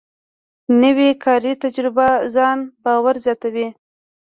نوې کاري تجربه ځان باور زیاتوي